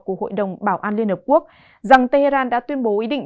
của hội đồng bảo an liên hợp quốc rằng tehran đã tuyên bố ý định